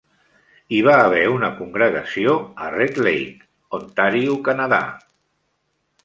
Hi va haver una congregació a Red Lake, Ontario, Canadà.